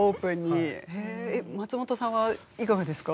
松本さんはいかがですか？